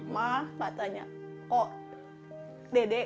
ma katanya kok dedek